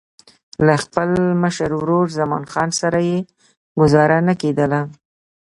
له خپل مشر ورور زمان خان سره یې ګوزاره نه کېدله.